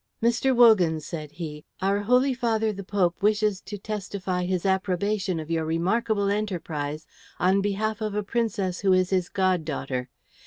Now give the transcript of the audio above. "Mr. Wogan," said he, "our Holy Father the Pope wishes to testify his approbation of your remarkable enterprise on behalf of a princess who is his god daughter.